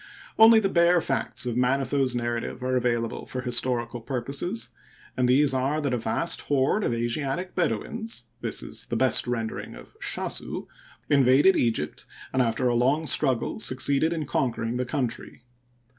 Only the bare facts of Manetho's narrative are available for histori cal purposes, and these are that a vast horde of Asiatic Bedouins (this is the best rendering of Shasu) invaded Egypt, and after a long struggle succeeded in conquering the country.